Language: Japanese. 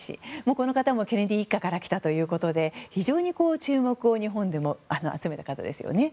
この方もケネディ一家から来たということで非常に注目を日本でも集めた方ですよね。